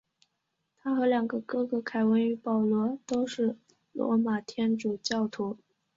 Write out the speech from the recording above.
他和两个哥哥凯文与保罗都是罗马天主教徒。